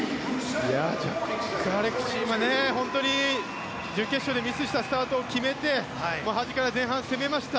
ジャック・アレクシーは準決勝でミスしたスタートを決めて端から、前半攻めました。